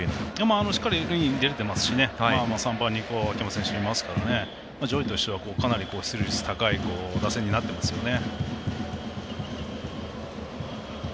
しっかり塁に出れてますし３番に秋山選手いますから上位としてはかなり出塁率が高い打線になっていますよね。